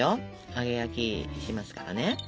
揚げ焼きしますからね。